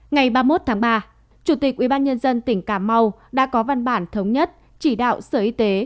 ngày ba mươi một tháng ba chủ tịch ubnd tỉnh cà mau đã có văn bản thống nhất chỉ đạo sở y tế